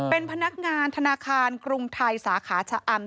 เป็นพนักงานธนาคารกรุงไทยสาขาชะอำ